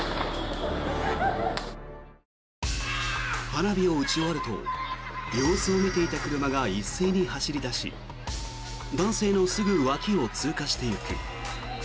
花火を打ち終わると様子を見ていた車が一斉に走り出し男性のすぐ脇を通過していく。